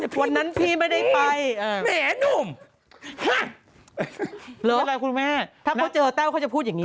วันนั้นพี่ไม่ได้ไปแหมหนุ่มหรืออะไรคุณแม่ถ้าเขาเจอแต้วเขาจะพูดอย่างนี้